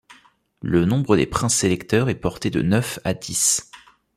Le nombre des princes-électeurs est porté de neuf à dix.